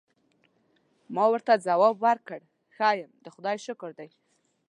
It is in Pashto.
ما ورته ځواب ورکړ: ښه یم، د خدای شکر دی.